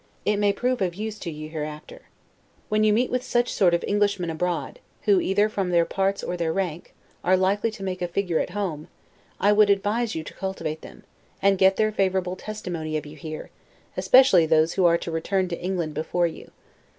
It may prove of use to you hereafter. When you meet with such sort of Englishmen abroad, who, either from their parts or their rank, are likely to make a figure at home, I would advise you to cultivate them, and get their favorable testimony of you here, especially those who are to return to England before you.